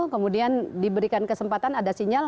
kemudian diberikan kesempatan ada sinyal